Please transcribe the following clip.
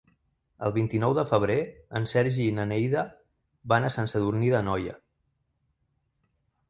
El vint-i-nou de febrer en Sergi i na Neida van a Sant Sadurní d'Anoia.